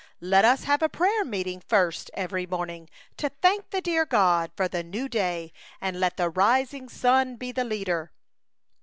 " Let us have a prayer meeting first every morning to thank the dear God for the new day, and let the rising sun be the leader."